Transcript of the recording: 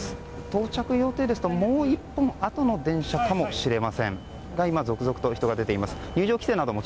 到着予定ですと、もう１本あとの電車かもしれません。